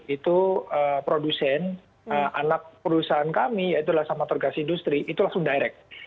itu produsen anak perusahaan kami yaitu amatorgas industri itu langsung direct